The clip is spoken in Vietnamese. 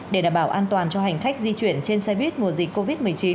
để đảm bảo an toàn cho hành khách di chuyển trên xe buýt mùa dịch covid một mươi chín